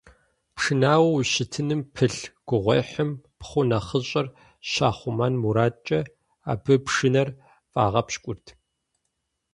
Пшынауэу ущытыным пылъ гугъуехьым пхъу нэхъыщӀэр щахъумэн мурадкӀэ, абы пшынэр фӀагъэпщкӀурт.